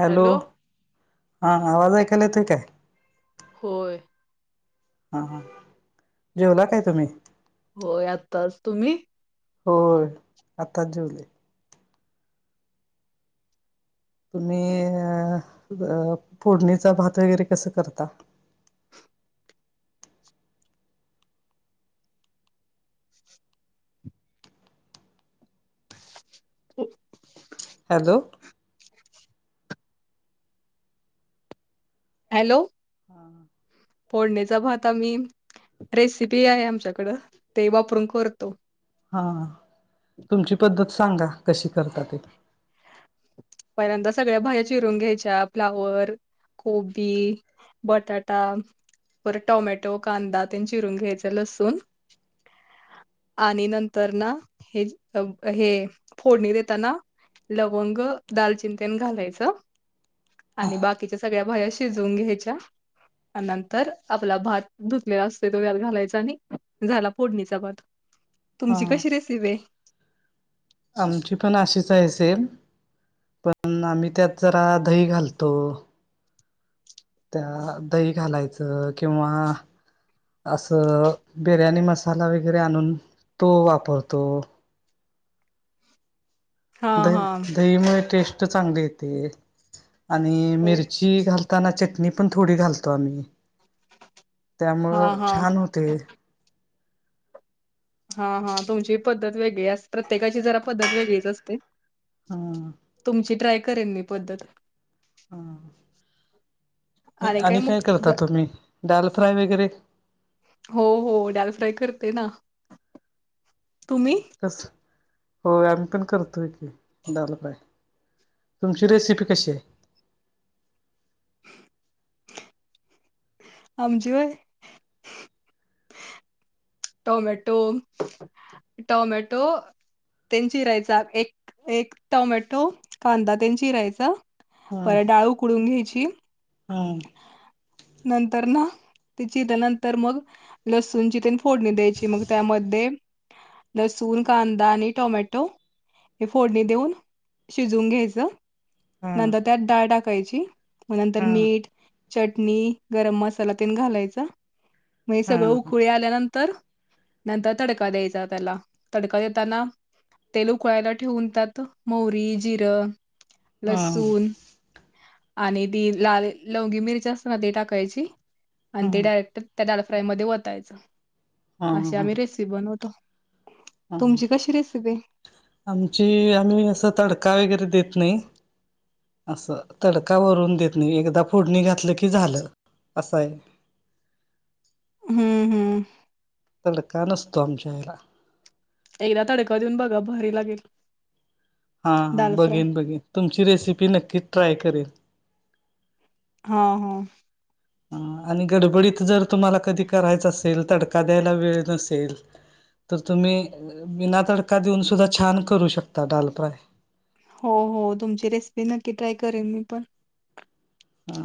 Hello हां आवाज ऐकायला येतोय काय? होय. हा हा जेवला काय तुम्ही? होय आत्ताच. तुम्ही? होय आत्ताच जेवले. तुम्ही अ ब फोडणीचा भात वगैरे कसं करता? [unintelligible] हॅलो हॅलो हा फोडणीचा भात आम्ही रेसिपी आहे आमच्याकडं ते वापरून करतो. हा हा तुमची पद्धत सांगा कशी करता ते? पहिल्यांदा सगळ्या भाज्या चिरून घ्यायच्या फ्लॉवर कोबी, बटाटा परत टोमॅटो, कांदा तेन चिरून घ्यायचा, लसून आणि नंतर ना हे अ हे फोडणी देताना लवंग, दालचिन तेन घालायच आणि बाकिच्या सगळ्या भाया शिजवून घ्यायच्या आणि नंतर आपला भात धुतलेला असतोय तो, त्यात घालायचा आणि झाला फोडणीचा भात [inaudible] तुमची कशी रेसिपी हाय? आमची पण अशीच हाय सेम, पण आम्ही त्यात जरा दही घालतो. त्यात दही घालायचं किंवा आसं बिर्याणी मसाला वगैरे आणून तो वापरतो. हा हा दही दहीमुळे टेस्ट चांगली येते. आणि हो मिरची घालताना, चटणी पण थोडी घालतो आम्ही हा त्यामुळं हा छान होतंय. हा हा तुमची पद्धत वेगळी आस, प्रत्येकाची जरा पद्धत वेगळीच अस ते. हा तुमची ट्राय करेन मी पद्धत हा आणि काय करता तुम्ही दाल फ्राय वगैरे? हो हो डाल फ्राय करते ना. तुम्ही कस? होय आम्ही पण करतोय की, डाल फ्राय तुमची रेसिपी कशी हाय? [inaudible] आमची व्हय टॉमॅटो, टॉमॅटो तेन चिरायचा एक, एक टॉमॅटो, कांदा तेन चीरायचा परत डाळू उकडून घ्यायची. हां. नंतर ना तिची त्यानंतर मग लसूणची तेन फोडणी द्यायची, मग त्यामध्ये लसूण, कांदा आणि टॉमॅटो हे फोडणी देऊन शिजवून घ्यायचं. हम्म नंतर त्यात डाळ टाकायची, मग नंतर हम्म मीठ चटणी, गरम मसाला तेन घालायचा, महे सगळं हम्म उकळी आल्यानं तर नंतर तडका द्यायचा त्याला, तडका देताना तेल उकळायला ठेवून त्यात मोहरी, जिरं, हम्म लसूण आणि ती लाल लवंगी मिरची असतेना, ती टाकायची आणि ते हम्म डायरेक्ट त्या डाल फ्राय मध्ये वतायचं. हम्म अशी आम्ही रेसिपी बनवतो. हा तुमची कशी रेसिपी? हा आमची आम्ही असं तडका वगैरे देत नाही. असं तडका वरून देत नाही. एकदा फोडणी घातलं की झालं आसं हाय. हम्म हम्म. तडका नसतो आमच्या हेला एकदा तडका देऊन बघा भारी लागेल हां हां दाल फ्राय. बघेन बघेन, तुमची रेसिपी नक्कीच ट्राय करेन. हा हा. हा आणि गडबडीत जर तुम्हाला कधी करायचं असेल, तडका द्यायला वेळ नसेल तर तुम्ही विना तडका देऊन सुद्धा छान करू शकता, डाल फ्राय हो हो तुमची रेसिपी नक्की ट्राय करेन मी पण हा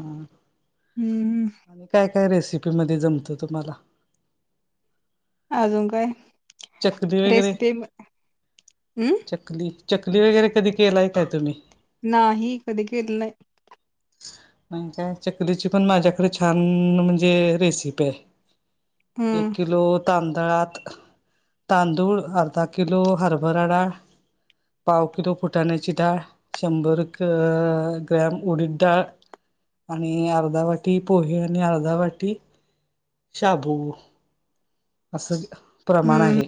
हम्म [inaudible] आणि काय काय रेसिपी मध्ये जमतो तुम्हाला? अजून काय? चकली वगैरे रेसिपी हम्. चकली चकली वगैरे कधी केलाय काय तुम्ही? नाही कधी केली वरलं. म्हण काय चकलीची पण माझ्याकडे छान म्हणजे रेसिपी आहे. एक हम्म किलो. तांदळात तांदूळ अर्धा किलो हरभराडाळ. पाव किलो फुटाण्याची डाळ, शंभर ग्रॅम उडीद. ाळ आणि अर्धा वाटी पोहे आणि अर्धा वाटी. शाबू असं प्रमाण हम्म आहे.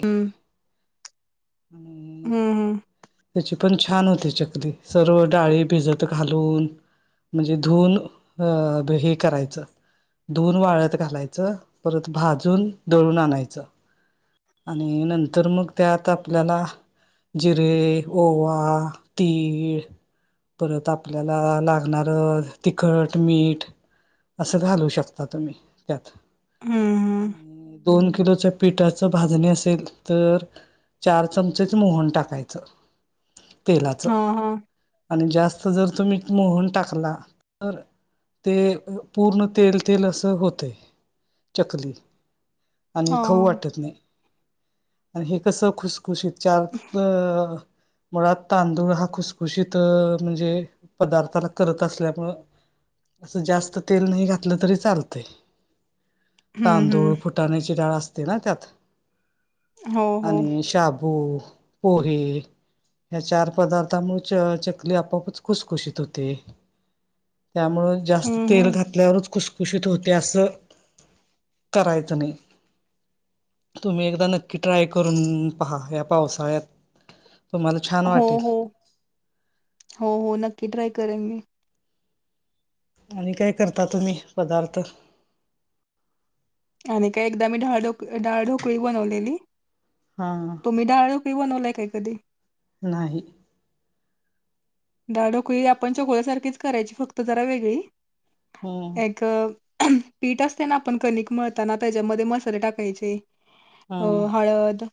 आणि हम् हम्. त्याची पण छान होते चकली सर्व डाळी भिजत घालून. म्हणजे धुऊन हे करायचं. धुून वाळत घालायचं परत भाजून दळून आणायचं. आणि नंतर मग त्यात आपल्याला. जिरे, ओवा, तीळ. परत आपल्याला लागणारं तिखट, मीठ. अस घालू शकता तुम्ही त्यात हम्म हम्म आणि दोन किलो पिठा. भाजणी असेल तर चार चमचेच मोहन टाकायचं. तेलाचं. हा हा आणि जास्त जर तुम्ही मोहन टाकला तर. ते पूर्ण तेल-तेल असं होते, चकली. आणि हा खऊ वाटत. नाही. आणि हे कसं खुसखुशीत चार अ. मुळात तांदूळ हा खुसखुशीत म्हणजे पदार्थाला करत असल्यामुं. असं जास्त तेल नाही घातलं तरी चालत. हम्म तांदूळ हम्म फुटाण्याची डाळ असते ना त्यात. हो हो आणि शाबू, पोहे. या चार पदार्थामुळे च चकली आपापच खुशखुशीत होते. त्यामुं जास्त हम्म तेल हम्म घातल्यावरच कुशखुशीत होते असं करायचं नाही. तुम्ही एकदा नक्की ट्राय करून पहा या्या पावसाळ्यात. तुम्हाला छान हो वाटेल हो हो हो नक्की ट्राय करेन मी. आणि काय करता तुम्ही? पदार्थ. आणि काय एकदा मी ढाळ ढोक ढाळ ढोकळी बनवलेली. हा. तुम्ही डाळू कि बनवलाय काय कधी. नाही. दडहा डोकळी आपण चकोळ्यासारखीच करायची फक्त जरा वेगळी हम्म नाही तर. पेट असताना भेट मारताना त्याच्यात मसाले वगैरे टाकायचे. आ हम्म हळद,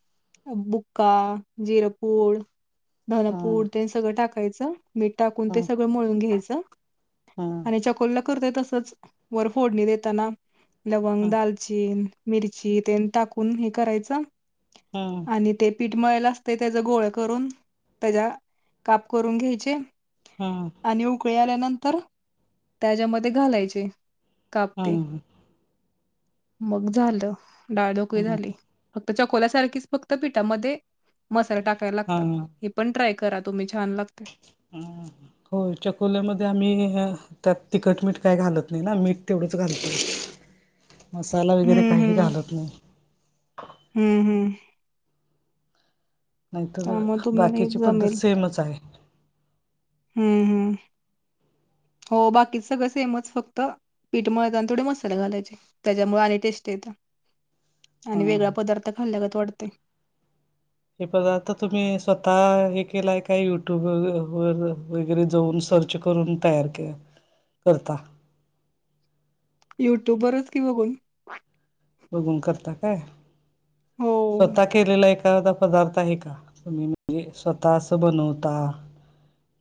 बुक्का, जिरपुर. हम्म धनपूड ते सगळं टाकायचं मीठ टाकून ते हम्म सगळं मळून घ्यायचं. आणि चकोलला करतेय तसच वर फोडणी देताना. लवंग हम्म दालचीन मिरची ते टाकून हे करायच. हम. आणि ते पीठ मळला असते त्याचा गोळ करून त्याच्या काप करून घ्यायचे. हा. आणि उकळे आल्यानंतर त्याच्यामध्ये घालायचे. कापते हम्म मग झालं डाळधोकळी झाली. फक्त चकोल्यासारखीच फक्त पिठामध्ये मसाले टाकायला लागतात. हम्म हा हे पण ट्राय करा तुम्ही छान लागते. हो चकोल्यामध्ये आम्ही.... त्यात तिखट मीठ काही घालत नाही ना मीठ तेवढंच घालत नाही. मसाला वगैरे हम्म काही हम्म घालत नाही.... हम्म हम्म..... त्यामुळे नाहीतर तुम्हाला हे बाकीची पद्धत जमेल सेमच आहे... हम् हम.... हो बाकीच सगळं सेमच फक्त पीठमळत आणि थोडे मसाले घालायचे.... त्याच्यामुळे आणि टेस्ट येत आणि वेगळा हम्म पदार्थ खाल्ल्यागत वाटतय... हे पदार्थ तुम्ही स्वतः हे केलाय काय युट्यूब व वगैरे जाऊन सर्च. करून तयार करता.... युट्यूब वरच की बघून.... बघून करता काय हो स्वतः केलेलं एक.... पदार्थ आहे का तुम्ही म्हणजे स्वतः अस बनवता...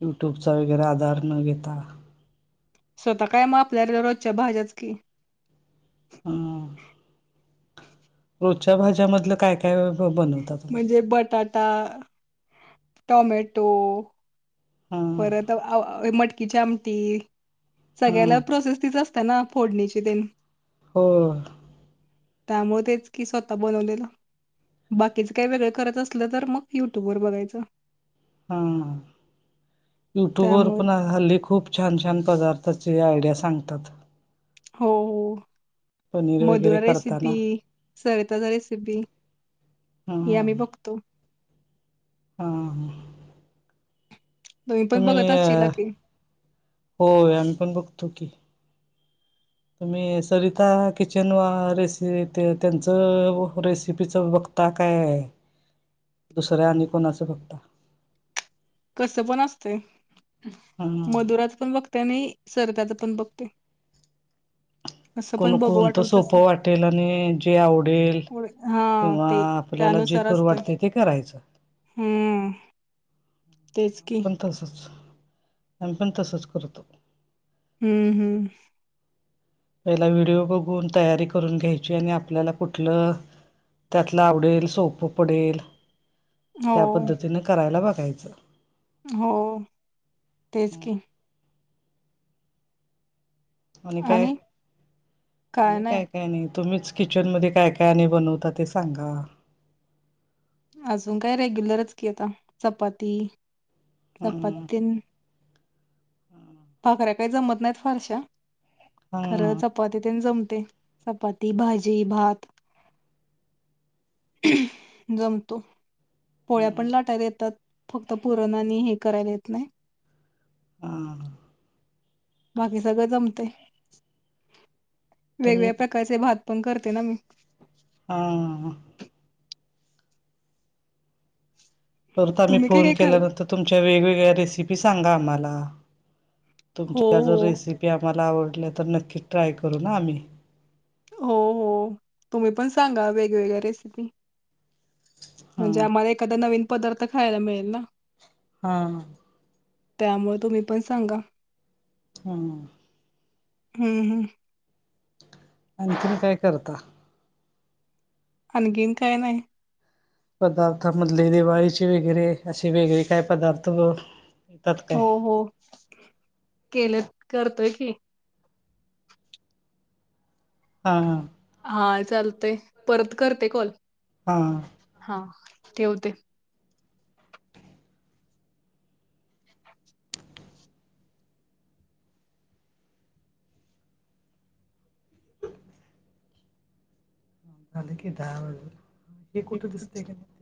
युट्युबचा वगैरे आधार न घेता.... स्वतः काय म आपल्याला रोजच्या भाज्याच की.... ह.... रोजच्या भाज्यामधलं काय? हे बन.... म्हणजे बटाटा टोमॅटो... हां परत मटकीची आमटी हां सगळ्याला प्रोसेस तीच असते... त्यांना फोडणीचे तेन हो.... त्यामुळे तेच की स्वतः बनवलेलं... बाकीच काही वेगळं करत असलं तर, मग युट्यूब वर बघायचं... हा युट्युबवर त्यामुळे पण हल्ली खूप... छान छान पदार्थाचे आयडिया सांगतात.... हो पनीर वगैरे मधुरा रेसिपी करताना सरिताज रेसिपी... हे हां आम्ही बघतो.... हा... पण तुम्ही बघत असशीला अ की हो आम्ही पण बघतो की.... तुम्ही सरिता किचन वा रेसि त्यांच रेसिपीच बघता..... आता काय दुसऱ्या आणि कोणाचं फक्त.... कस पण असतंय हम्म मधुराचं पण बघतेय, आणि सरिताच पण बघते.. असं कोण पण बघू कोणतं वाटेल तसं सोपं वाटेल, आणि जे आवडेल पुढे हा किंवा.... ते आपल्याला जे करू वाटत ते करायचं..... हम्...... आम पण तसच आम पण तसच करतो. हम्म हम्म... पहिला व्हिडिओ बघून तयारी करून घ्यायची, आणि आपल्याला कुठलं..... त्यातला आवडेल सोपं पडेल, हो त्या पद्धतीने करायला बघायचं.... हो तेच की... आणि काय आणि काय काय नाही तुम्हीच.... किचन मध्ये काय काय आणि बनवता ते सांगा.... अजून काय रेग्युलरच की आता चपाती हम्म चपातन. पा खऱ्या काही जमत नाहीत फारशा हा खरं. चपाती त्यां जमते चपाती भाजी भात. जमतो पोळ्या हम्म पण लाटायला येतात. फक्त पुरणनी हे करायला येत नाही.... हम. बाकी सगळं जमते तुम्ही वेगवेगळ्या प्रकारचे भात पण करते ना मी... हा परत आम्ही तुम्ही काय फोन काय कर केल्यानंतर तुमच्या वेगवेगळ्या रेसिपी सांगा आम्हाला. हो तुमच्या जर हो रेसिपी आम्हाला आवडल्या तर नक्कीच ट्राय करू ना आम्ही हो हो तुम्ही पण सांगा वेगवेगळ्या रेसिपी. म्हणजे हां आम्हाला एखादा नवीन पदार्थ खायला मिळेल ना. हा त्यामुळे तुम्ही पण सांगा. हा. हूं हूं आणखीन काय करता. आणखीन काय नाय. पदार्थामधले दिवाळीचे वगैरे असे वेगळे काय पदार्थ येतात काय? हो हो केलेत करतोय की हां हा चालतंय परत करते कॉल हां. हा ठेवते. [unintelligible] झाले की दहा वाजून हे कुठं दिसतय का नाही.